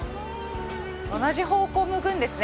同じ方向向くんですね